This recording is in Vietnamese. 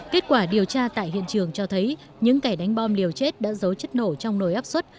kết quả điều tra tại hiện trường cho thấy những kẻ đánh bom liều chết đã giấu chất nổ trong nồi áp suất